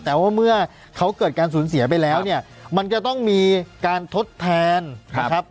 แต่ว่าเมื่อเขาเกิดการสูญเสียไปแล้วเนี่ยมันจะต้องมีการทดแทนนะครับ